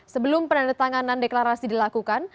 sebelum penandatanganan deklarasi dilakukan